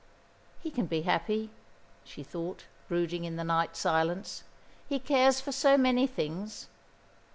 "He can be happy," she thought, brooding in the night silence. "He cares for so many things.